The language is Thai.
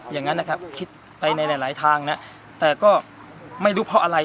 อย่างนั้นนะครับคิดไปในหลายทางนะแต่ก็ไม่รู้เพราะอะไร